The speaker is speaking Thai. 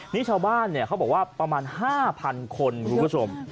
นี่ชาวบ้านเนี่ยเขาบอกว่าประมาณห้าพันคนคุณผู้ชม